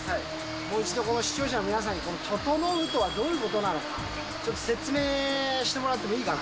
もう一度、この視聴者の皆さんに、ととのうとはどういうことなのか、ちょっと説明してもらってもいいかな。